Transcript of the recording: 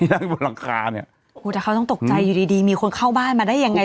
บนหลังคาเนี่ยโอ้โหแต่เขาต้องตกใจอยู่ดีดีมีคนเข้าบ้านมาได้ยังไง